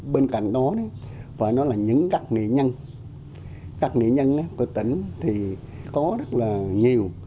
bên cạnh đó phải nói là những các nghệ nhân các nghệ nhân của tỉnh thì có rất là nhiều